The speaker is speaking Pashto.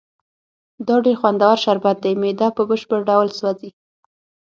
دا ډېر خوندور شربت دی، معده په بشپړ ډول سوځي.